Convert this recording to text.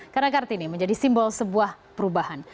karena kartini menjadi simbol sebuah perubahan